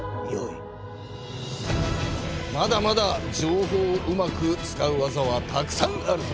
まだまだ情報をうまく使う技はたくさんあるぞ。